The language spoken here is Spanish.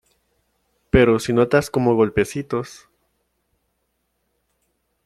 pero si notas como golpecitos ,